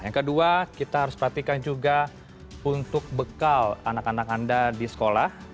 yang kedua kita harus perhatikan juga untuk bekal anak anak anda di sekolah